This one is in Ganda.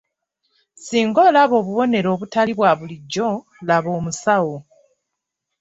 Singa olaba obubonero obutali bwa bulijjo laba omusawo.